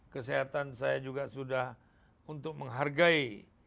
kesehatan saya juga sudah untuk menghargai